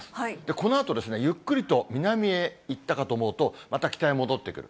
このあとですね、ゆっくりと南へ行ったかと思うと、また北へ戻ってくる。